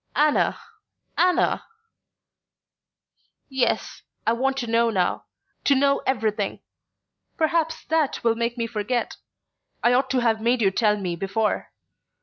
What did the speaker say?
"Anna Anna!" "Yes; I want to know now: to know everything. Perhaps that will make me forget. I ought to have made you tell me before.